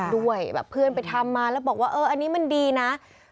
ด้วยแบบเพื่อนไปทำมาแล้วบอกว่าเอออันนี้มันดีนะ